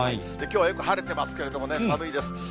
きょうはよく晴れてますけれどもね、寒いです。